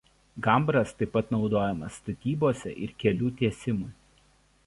Gabras taip pat naudojamas statybose ir kelių tiesimui.